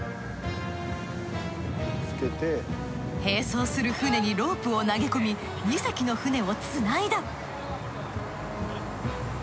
併走する船にロープを投げ込み２隻の船をつないだ。